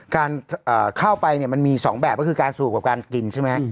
การเข้าไปเนี่ยมันมี๒แบบก็คือการสูบกับการกินใช่ไหม